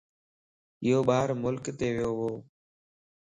يو ٻار ملڪت ويووَ